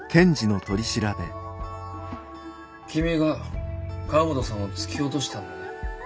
「君が河本さんを突き落としたんだね？」。